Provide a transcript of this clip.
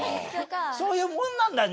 そういうもんなんだよ